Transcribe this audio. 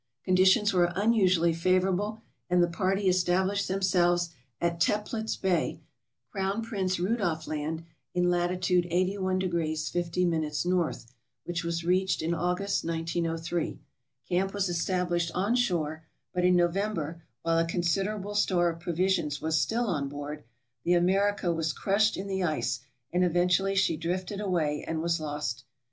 Conditions were unusually favorable, and the party established themselves at Teplitz Bay, Crown Prince Rudolf Land, in lat. 8i° 50' N., which was reached in August, 1903. Camp was established on shore, but in November, while a considerable store of provisions was siill on board, the "America" was crushed in the ice, and eventu ally she drifted away and was lost.